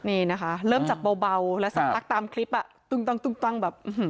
นี่นะคะเริ่มจากเบาเบาแล้วสักตั้งตามคลิปอ่ะตุ้งตั้งตุ้งตั้งแบบอื้อหือ